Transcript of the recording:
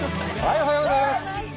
おはようございます。